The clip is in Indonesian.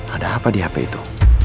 ada apa di hp itu